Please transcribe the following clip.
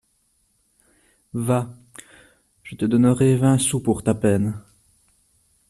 Va, je te donnerai vingt sous pour ta peine.